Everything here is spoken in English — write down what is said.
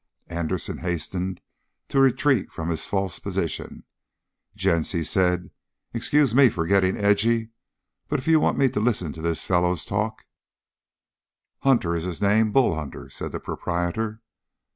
Anderson hastened to retreat from his false position. "Gents," he said, "excuse me for getting edgy. But, if you want me to listen to this fellow's talk " "Hunter is his name Bull Hunter," said the proprietor.